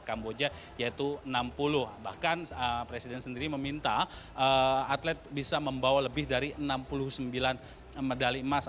kamboja yaitu enam puluh bahkan presiden sendiri meminta atlet bisa membawa lebih dari enam puluh sembilan medali emas